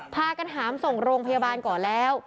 พากันหามส่งโรงพยาบาลก่อนแล้ว